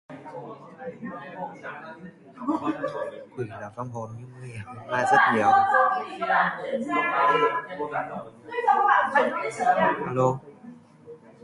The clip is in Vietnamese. quỷ là vong hồn nhưng nguy hiểm hơn ma rất nhiều